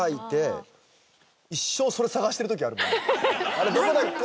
「あれどこだっけ？